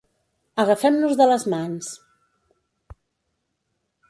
Agafem-nos de les mans!